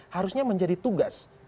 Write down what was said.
harusnya menjadi tugas